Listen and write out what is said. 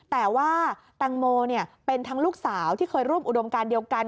แต่ว่าแตงโมเป็นทั้งลูกสาวที่เคยร่วมอุดมการเดียวกัน